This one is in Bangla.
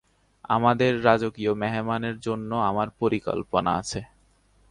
আমাদের রাজকীয় মেহমানের জন্য আমার পরিকল্পনা আছে।